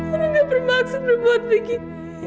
aku gak bermaksud lo buat begini